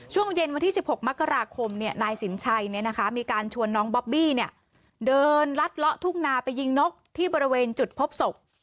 ช่วงเย็นวันที่๑๖มกราคมนายสินชัยมีการชวนน้องบอบบี้เดินลัดเลาะทุ่งนาไปยิงนกที่บริเวณจุดพบศพ